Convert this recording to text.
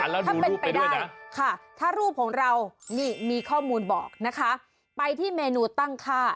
ถ้าเป็นไปได้ค่ะถ้ารูปของเรานี่มีข้อมูลบอกนะคะไปที่เมนูตั้งค่า